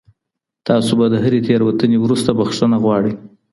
تاسو به د هري تېروتني وروسته بخښنه غواړئ.